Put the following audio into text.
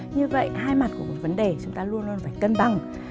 như vậy hai mặt của một vấn đề chúng ta luôn luôn phải cân bằng